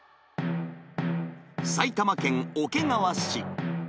埼玉県桶川市。